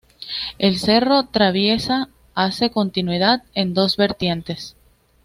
El Cerro Traviesa hace continuidad en dos vertientes.